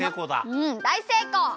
うんだいせいこう！